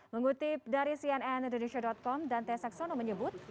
mengutip dari cnn indonesia com dante saxono menyebut